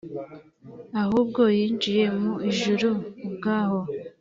m ahubwo yinjiye mu ijuru ubwaho